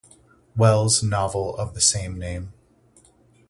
Wells novel of the same name.